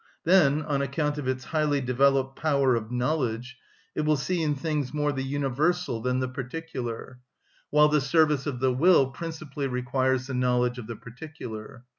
Then, on account of its highly developed power of knowledge, it will see in things more the universal than the particular; while the service of the will principally requires the knowledge of the particular.